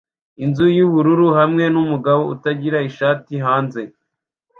Inzu yubururu hamwe numugabo utagira ishati hanze